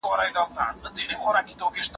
پخوا به خلګو په کرونده کي ژوند کاوه.